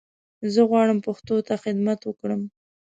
زه غواړم پښتو ته خدمت وکړم